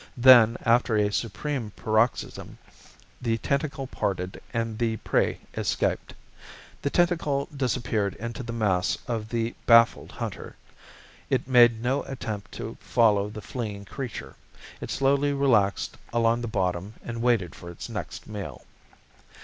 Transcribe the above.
Then, after a supreme paroxysm, the tentacle parted and the prey escaped. The tentacle disappeared into the mass of the baffled hunter. It made no attempt to follow the fleeing creature. It slowly relaxed along the bottom and waited for its next meal.